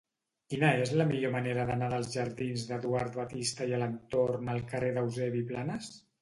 Quina és la millor manera d'anar dels jardins d'Eduard Batiste i Alentorn al carrer d'Eusebi Planas?